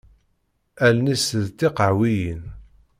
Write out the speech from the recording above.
Allen-is d tiqehwiyin.